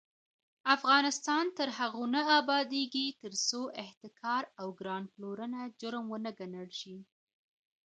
افغانستان تر هغو نه ابادیږي، ترڅو احتکار او ګران پلورنه جرم ونه ګڼل شي.